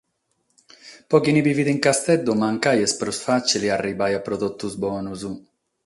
Pro chie bivet in Casteddu mancari est prus fàtzile arribare a produtos bonos.